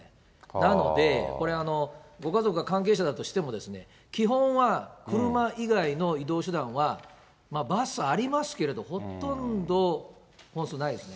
なので、ご家族が関係者だとしても、基本は車以外の移動手段はバス、ありますけれども、ほとんど本数ないですね。